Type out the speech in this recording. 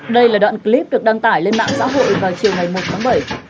đây là đoạn clip được đăng tải lên mạng xã hội vào chiều ngày một tháng bảy